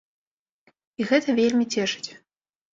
І гэта вельмі цешыць.